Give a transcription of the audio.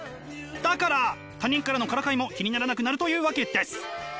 だから他人からのからかいも気にならなくなるというわけです！